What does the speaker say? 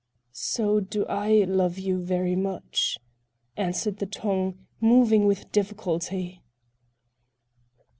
"So do I love you very much," answered the tongue, moving with difficulty.